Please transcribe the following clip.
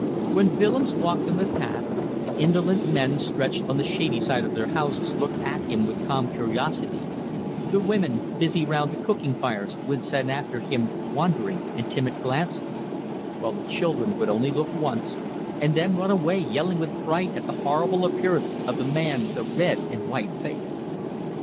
When Willems walked on the path, the indolent men stretched on the shady side of the houses looked at him with calm curiosity, the women busy round the cooking fires would send after him wondering and timid glances, while the children would only look once, and then run away yelling with fright at the horrible appearance of the man with a red and white face.